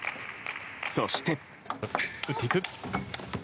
そして。